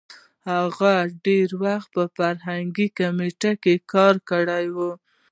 هغه ډېر وخت په فرهنګي کمېټه کې کار کړی وو.